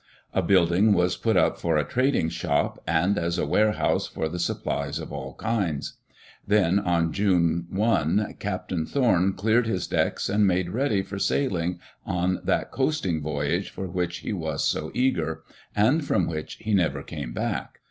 A building was put up for a trad ing shop and as a warehouse for the supplies of all kinds. Then, on June i, Captain Thorn cleared his decks and made ready for sailing on that coasting voyage for which Digitized by CjOOQ IC HOW THEY BUILT ASTORIA he was so eager — and from which he never came back.